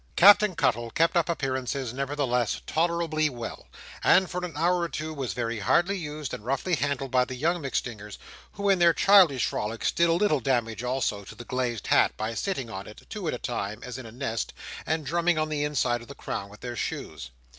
Captain Cuttle kept up appearances, nevertheless, tolerably well, and for an hour or two was very hardly used and roughly handled by the young MacStingers: who in their childish frolics, did a little damage also to the glazed hat, by sitting in it, two at a time, as in a nest, and drumming on the inside of the crown with their shoes.